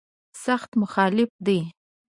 سخت مخالف دی.